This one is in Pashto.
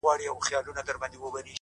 د زړه كاڼى مــي پــر لاره دى لــوېـدلى _